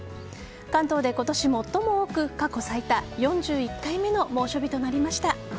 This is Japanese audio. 関東で今年最も多く過去最多４１回目の猛暑日となりました。